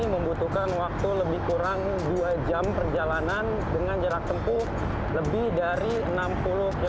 membutuhkan waktu lebih kurang dua jam perjalanan dengan jarak tempuh lebih dari enam puluh km